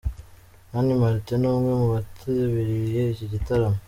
Mani Martin n'umwe mu bitabiriye iki gitaramo.